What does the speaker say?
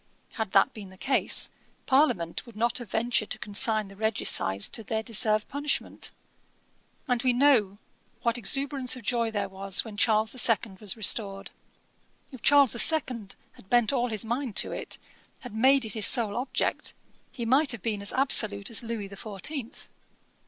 Had that been the case, Parliament would not have ventured to consign the regicides to their deserved punishment. And we know what exuberance of joy there was when Charles the Second was restored. If Charles the Second had bent all his mind to it, had made it his sole object, he might have been as absolute as Louis the Fourteenth.'